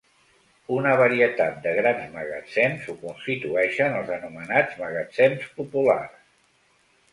Una varietat de grans magatzems ho constitueixen els anomenats magatzems populars.